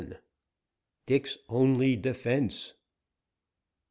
DICK'S ONLY DEFENSE.